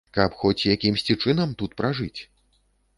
Каб хоць якімсьці чынам тут пражыць?